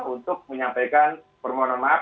untuk menyampaikan permohonan maaf